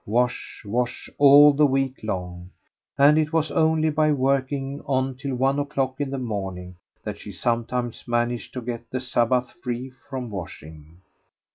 Wash, wash, all the week long; and it was only by working on till one o'clock in the morning that she sometimes managed to get the Sabbath free from washing.